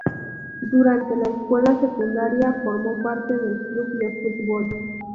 Durante la escuela secundaria formó parte del club de fútbol.